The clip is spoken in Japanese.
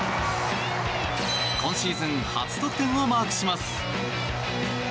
今シーズン初得点をマークします。